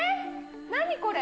何これ。